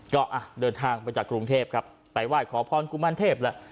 ก็อ่ะเดินทางไปจากกรุงเทพครับไปไหว้ขอพรกุมารเทพแหละ